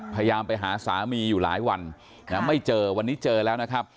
พยายามไปหาสามีอยู่หลายวันไม่เจอวันนี้เจอแล้วนะครับ